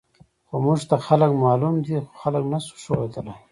خو موږ ته خلک معلوم دي، خو خلک نه شو ښودلی.